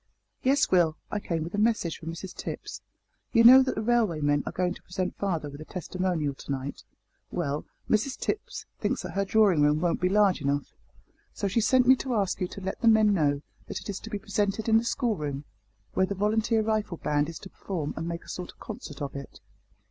"Yes, Will, I came with a message from Mrs Tipps. You know that the railway men are going to present father with a testimonial to night; well, Mrs Tipps thinks that her drawing room won't be large enough, so she sent me to ask you to let the men know that it is to be presented in the schoolroom, where the volunteer rifle band is to perform and make a sort of concert of it."